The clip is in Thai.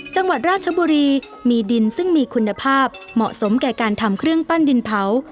จังหวัดราชบุรีมีดินซึ่งมีคุณภาพเหมาะสมแก่การทำเครื่องปั้นดินเผา